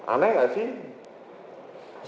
aneh gak sih